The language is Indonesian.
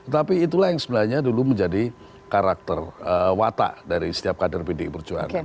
tapi itulah yang sebenarnya dulu menjadi karakter watak dari setiap kader pdi perjuangan